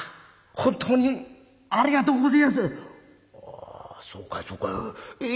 「ああそうかいそうかい。